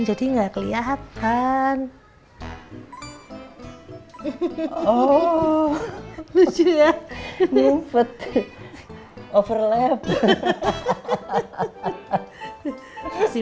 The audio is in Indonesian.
yang satu itu posisinya ada di belakang yang lain